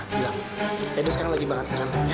bilang edo sekarang lagi banget ke kantor ya